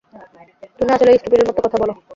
তুমি আসলেই স্টুপিডের মতো কথা বলো।